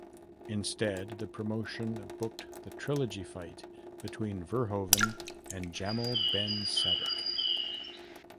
Instead the promotion booked the trilogy fight between Verhoeven and Jamal Ben Saddik.